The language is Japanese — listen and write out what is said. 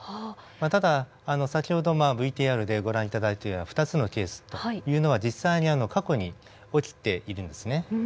ただ先ほどＶＴＲでご覧頂いたような２つのケースというのは実際に過去に起きているんですね。